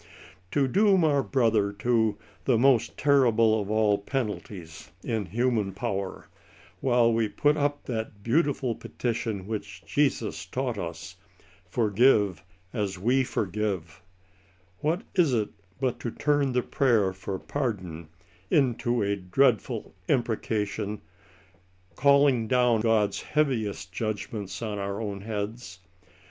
To doom our brother to " the most terrible of all penalties" in human power, while we put up that beautiful petition which Jesus taught us —«* forgive, as we forgive^*^ — ^what is it but to turn the prayer for pardon into a dreadful imprecation, calling down God's heaviest judgments on our own heads?